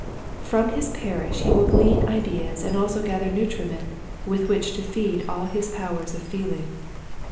From his parish he will glean ideas and also gather nutriment with which to feed all his powers of feeling.